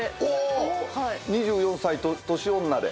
２４歳年女で。